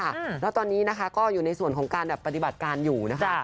แล้วตอนนี้นะคะก็อยู่ในส่วนของการปฏิบัติการอยู่นะคะ